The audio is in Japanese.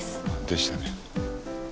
でしたね。